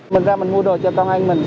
mình ra mình mua đồ cho con anh mình